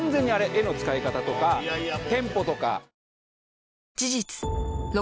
絵の使い方とかテンポとか。